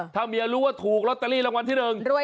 ถ้าเมียรู้ว่าถูกลอตเตอรี่รางวัลที่หนึ่ง